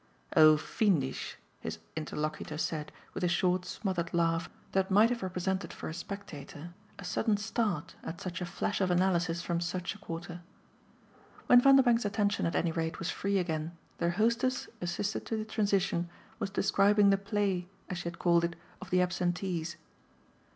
"Oh fiendish!" his interlocutor said with a short smothered laugh that might have represented for a spectator a sudden start at such a flash of analysis from such a quarter. When Vanderbank's attention at any rate was free again their hostess, assisted to the transition, was describing the play, as she had called it, of the absentees.